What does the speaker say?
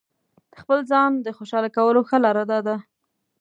د خپل ځان د خوشاله کولو ښه لاره داده.